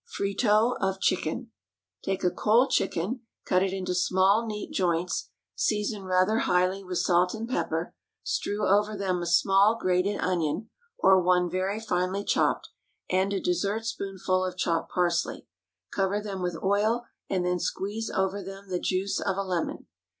Fritot of Chicken. Take a cold chicken, cut it into small neat joints, season rather highly with salt and pepper, strew over them a small grated onion (or one very finely chopped), and a dessertspoonful of chopped parsley. Cover them with oil, and then squeeze over them the juice of a lemon.